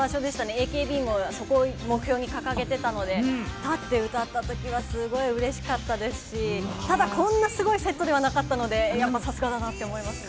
ＡＫＢもそこを目標に掲げてたので、立って歌ったときは、すごい嬉しかったですし、ただ、こんなすごいセットではなかったので、やっぱさすがだなって思いました。